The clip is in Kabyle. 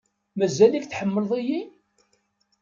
Mazal-ik tḥemmleḍ-iyi?